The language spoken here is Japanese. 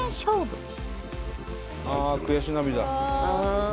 ああ悔し涙。